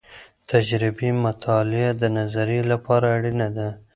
تجربي مطالعه د نظريې لپاره اړينه ده.